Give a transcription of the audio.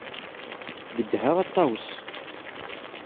Gedha a Ṭawes!